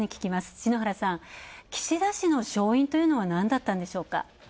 篠原さん、岸田氏の勝因というのは、なんだったんでしょうか。